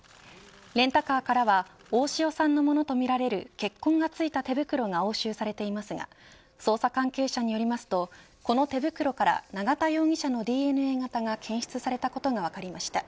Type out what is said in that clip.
レンタカーからは大塩さんのもとみられる血痕がついた手袋が押収されていますが捜査関係者によりますとこの手袋から永田容疑者のＤＮＡ型が検出されたことが分かりました。